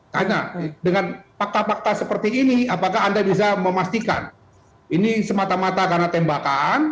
karena dengan fakta fakta seperti ini apakah anda bisa memastikan ini semata mata karena tembakan